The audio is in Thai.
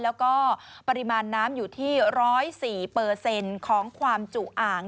แล้วก็ปริมาณน้ำอยู่ที่๑๐๔ของความจุอ่าง